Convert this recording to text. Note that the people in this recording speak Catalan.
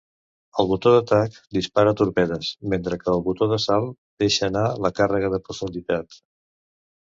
El botó d'atac dispara torpedes, mentre que el botó de salt deixa anar la càrrega de profunditat.